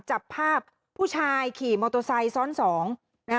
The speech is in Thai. จับภาพผู้ชายขี่มอเตอร์ไซค์ซ้อนสองนะฮะ